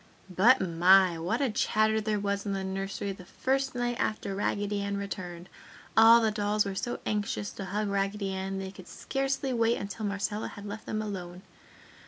But, my! What a chatter there was in the nursery the first night after Raggedy Ann returned. All the dolls were so anxious to hug Raggedy Ann they could scarcely wait until Marcella had left them alone.